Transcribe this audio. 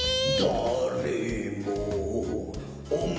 「だれもおまえを」